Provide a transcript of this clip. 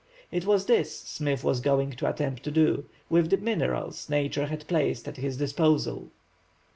It was this Smith was going to attempt to do, with the minerals Nature had placed at his disposal.